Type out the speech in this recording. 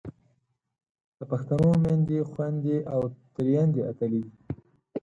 د پښتنو میندې، خویندې او ترېیندې اتلې دي.